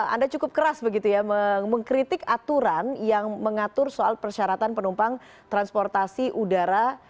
anda cukup keras begitu ya mengkritik aturan yang mengatur soal persyaratan penumpang transportasi udara